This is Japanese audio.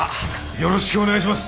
よろしくお願いします！